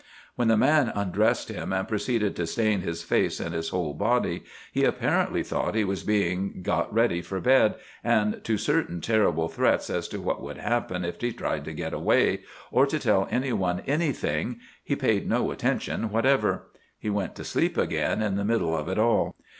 When the man undressed him and proceeded to stain his face and his whole body, he apparently thought he was being got ready for bed, and to certain terrible threats as to what would happen if he tried to get away, or to tell any one anything, he paid no attention whatever. He went to sleep again in the middle of it all.